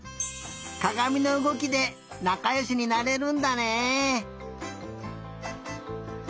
かがみのうごきでなかよしになれるんだね。